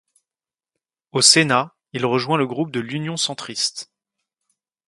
Au Sénat, il rejoint le groupe de l'Union centriste.